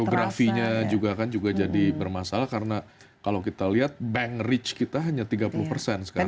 geografinya juga kan juga jadi bermasalah karena kalau kita lihat bank rich kita hanya tiga puluh persen sekarang